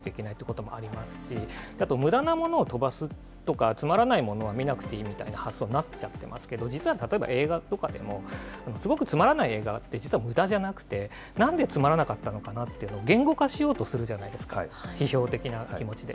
例えば一夜漬けの勉強って、頭に入んないみたいなもので、時間かけないといけないということもありますし、むだなものを飛ばすとか、つまらないものを見なくていいという発想になっちゃってますけど、実は例えば、映画とかでも、すごくつまらない映画って、実はむだじゃなくて、なんでつまらなかったのかなっていうのを言語化しようとするじゃないですか、批評的な気持ちで。